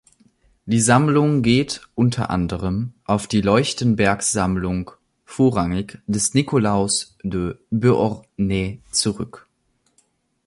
Die Sammlung geht unter anderem auf die Leuchtenberg-Sammlung, vorrangig des Nikolaus de Beauharnais, zurück.